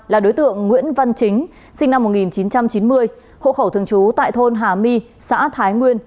là đối tượng nguyễn văn chính sinh năm một nghìn chín trăm chín mươi hộ khẩu thường trú tại thôn hà my xã thái nguyên